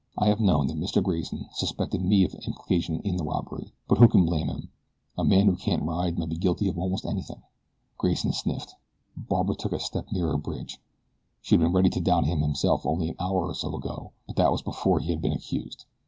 "I have known that Mr. Grayson suspected me of implication in the robbery; but who can blame him a man who can't ride might be guilty of almost anything." Grayson sniffed. Barbara took a step nearer Bridge. She had been ready to doubt him herself only an hour or so ago; but that was before he had been accused.